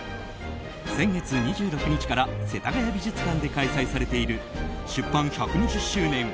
先月２６日から世田谷美術館で開催されている「出版１２０周年